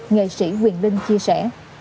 nghệ sĩ quyền linh chia sẻ